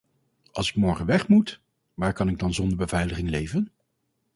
Als ik morgen weg moet, waar kan ik dan zonder beveiliging leven?